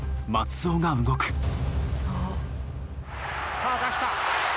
さあ出した。